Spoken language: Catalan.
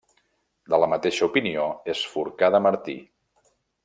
De la mateixa opinió és Forcada Martí.